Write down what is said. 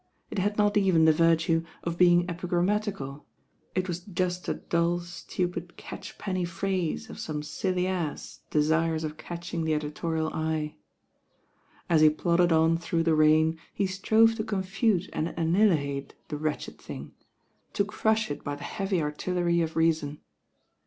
It had not even the virtue of being epi grammatical; it was just a dull, stupid catchpenny phrase of some silly ass desirous of catching the editorial eye. As he plodded on through the rain, he strove to II M THE RAIN OIRL confute and tnnihilate the wretched thing, to crnih it by the heavy artillery of reason.